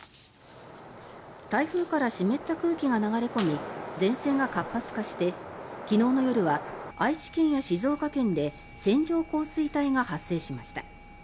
台風から湿った空気が流れ込み前線が活発化して昨日の夜は愛知県や静岡県で線状降水帯が発生しました。